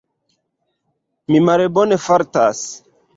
Mi malbone fartas.